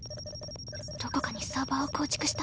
どこかにサーバーを構築した。